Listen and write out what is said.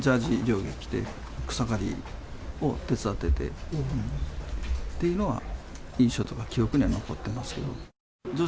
ジャージー上下着て、草刈りを手伝っててっていうのは印象とか記憶には残ってますけど。